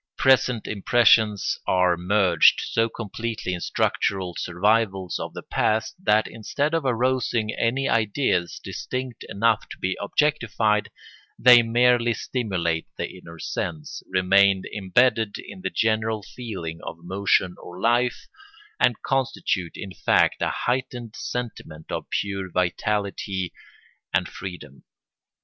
Present impressions are merged so completely in structural survivals of the past that instead of arousing any ideas distinct enough to be objectified they merely stimulate the inner sense, remain imbedded in the general feeling of motion or life, and constitute in fact a heightened sentiment of pure vitality and freedom.